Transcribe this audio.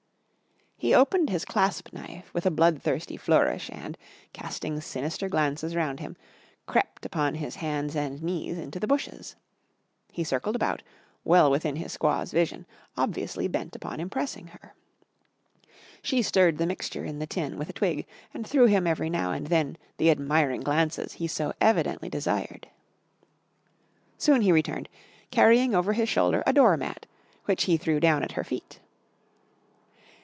He opened his clasp knife with a bloodthirsty flourish and, casting sinister glances round him, crept upon his hands and knees into the bushes. He circled about, well within his squaw's vision, obviously bent upon impressing her. She stirred the mixture in the tin with a twig and threw him every now and then the admiring glances he so evidently desired. Soon he returned, carrying over his shoulder a door mat which he threw down at her feet.